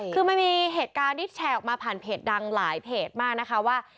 คือมันมีเหตุการณ์ที่แชร์ออกมาผ่านเพจดังหลายเพจมากนะคะว่า